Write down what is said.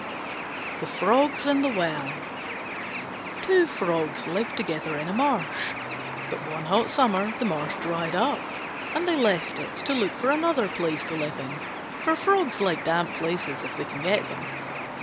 THE FROGS AND THE WELL Two Frogs lived together in a marsh. But one hot summer the marsh dried up, and they left it to look for another place to live in: for frogs like damp places if they can get them.